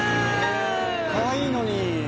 かわいいのに。